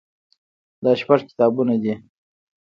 دا شپږ کتابونه دي.